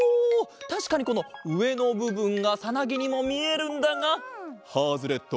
たしかにこのうえのぶぶんがさなぎにもみえるんだがハズレット！